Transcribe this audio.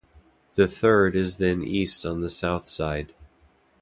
The third is then east on the south side.